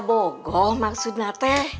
gak bogoh maksudnya teh